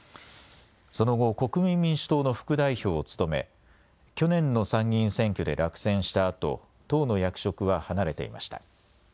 その後、国民民主党の副代表を務め去年の参議院選挙で落選したあと党の役職は離れていました。